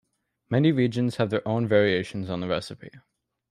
Many regions have their own variations on the recipe.